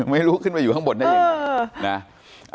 ไม่รู้ขึ้นมาอยู่ข้างบนได้ยังไงนะ